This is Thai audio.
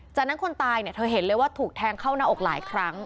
จากนั้นคนตายเนี่ยเธอเห็นเลยว่าถูกแทงเข้าหน้าอกหลายครั้ง